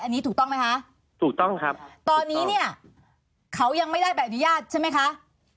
อันนี้ถูกต้องไหมคะถูกต้องครับตอนนี้เนี่ยเขายังไม่ได้ใบอนุญาตใช่ไหมคะ